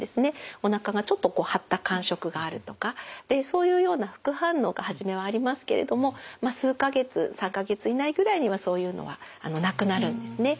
おなかがちょっとこう張った感触があるとかそういうような副反応が初めはありますけれども数か月３か月以内ぐらいにはそういうのはなくなるんですね。